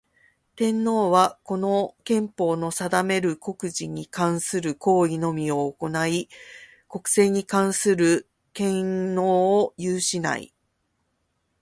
天皇は、この憲法の定める国事に関する行為のみを行ひ、国政に関する権能を有しない。